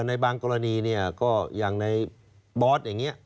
ในบางกรณีเนี่ยก็อย่างในบอสอย่างนี้